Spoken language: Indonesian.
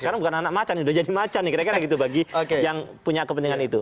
sekarang bukan anak macan sudah jadi macan nih kira kira gitu bagi yang punya kepentingan itu